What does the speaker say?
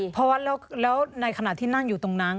เพราะว่าแล้วในขณะที่นั่งอยู่ตรงนั้น